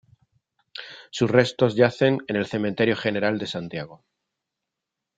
Sus restos yacen en el Cementerio General de Santiago.